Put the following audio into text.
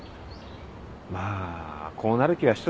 まあこうなる気はしとったんよ。